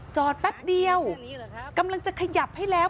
แป๊บเดียวกำลังจะขยับให้แล้ว